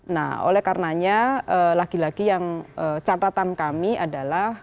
nah oleh karenanya lagi lagi yang catatan kami adalah